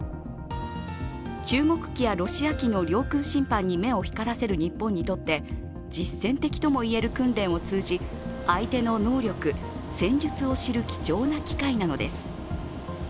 中国機やロシア機の領空侵犯に目を光らせる日本にとって実践的ともいえる訓練を通じ相手の能力、戦術を知る貴重な機会なのです。